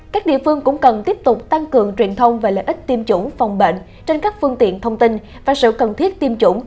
các địa phương cũng cần tiếp tục tăng cường truyền thông về lợi ích tiêm chủng phòng bệnh trên các phương tiện thông tin và sự cần thiết tiêm chủng